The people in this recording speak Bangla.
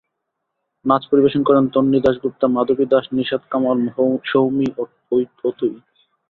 নাচ পরিবেশন করেন তন্বী দাশগুপ্তা, মাধবী দাশ, নিশাদ কামাল, সৌমি, অথৈ।